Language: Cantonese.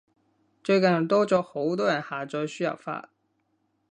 最近多咗好多人下載輸入法